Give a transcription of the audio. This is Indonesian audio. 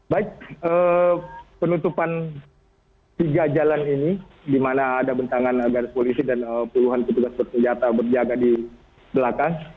baik penutupan tiga jalan ini di mana ada bentangan garis polisi dan puluhan petugas bersenjata berjaga di belakang